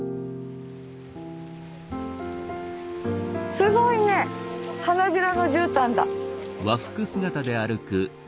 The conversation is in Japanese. すごいね花びらのじゅうたんだ。